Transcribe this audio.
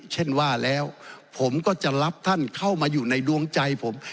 เช่นว่าแล้วผมก็จะรับท่านเข้ามาอยู่ในดวงใจผม